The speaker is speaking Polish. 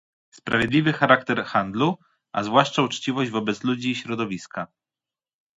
sprawiedliwy charakter handlu, a zwłaszcza uczciwość wobec ludzi i środowiska